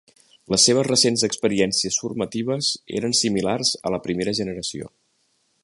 Les seves recents experiències formatives eren similars a la primera generació.